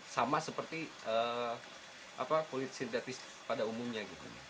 sama seperti kulit sintetis pada umumnya